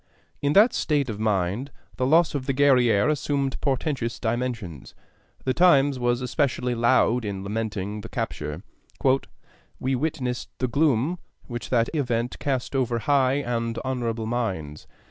In that state of mind the loss of the Guerrière assumed portentous dimensions. The Times was especially loud in lamenting the capture: "We witnessed the gloom which that event cast over high and honorable minds....